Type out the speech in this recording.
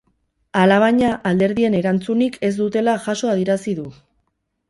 Alabaina, alderdien erantzunik ez dutela jaso adierazi du.